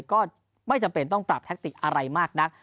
ก็ไม่จำเป็นต้องปรับแท็กติกอะไรมากนัก